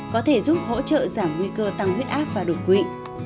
có thể giúp hỗ trợ giảm nguy cơ tăng huyết áp và đột quỵ